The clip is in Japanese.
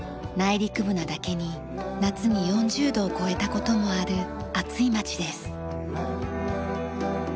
陸部なだけに夏に４０度を超えた事もある暑い町です。